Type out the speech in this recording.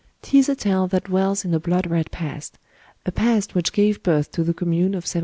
*Tis a tale that dwells in a blood red past ŌĆö a past which gave birth to the Commune of '71.